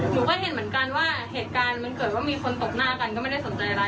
หนูก็เห็นเหมือนกันว่าเหตุการณ์มันเกิดว่ามีคนตบหน้ากันก็ไม่ได้สนใจอะไร